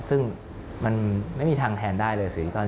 ซึ่งมันไม่มีทางแทนได้เลยสื่ออีกตอน